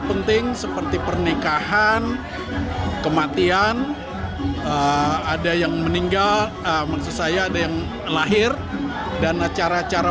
penting seperti pernikahan kematian ada yang meninggal maksud saya ada yang lahir dan acara acara